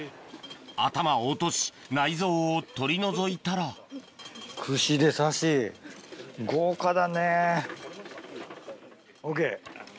頭を落とし内臓を取り除いたらＯＫ。